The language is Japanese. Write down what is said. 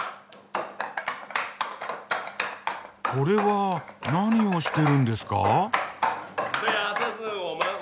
これは何をしてるんですか？